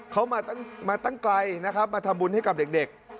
เขามาตั้งไกลนะครับมาทำบุญให้กับเด็ก